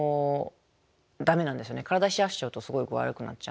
体冷やしちゃうとすごい具合悪くなっちゃうんで。